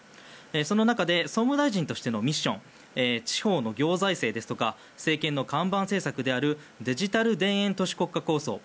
その中で総務大臣としてのミッション地方の行財政ですとか政権の看板政策であるデジタル田園都市国家構想。